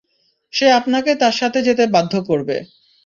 সে আপনাকে তার সাথে যেতে বাধ্য করবে।